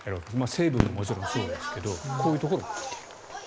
成分ももちろんそうですけどこういうところも見ていると。